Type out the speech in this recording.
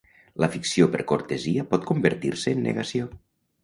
La ficció per cortesia pot convertir-se en negació.